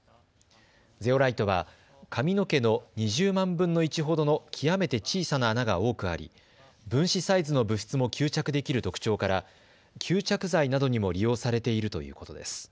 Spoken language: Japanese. ゼオライトは髪の毛の２０万分の１ほどの極めて小さな穴が多くあり、分子サイズの物質も吸着できる特徴から吸着材などにも利用されているということです。